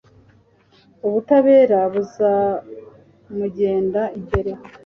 ubutabera buzamugenda imbere